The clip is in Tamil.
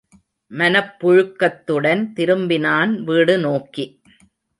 மனப்புழுக்கத்துடன் திரும்பினான் வீடு நோக்கி.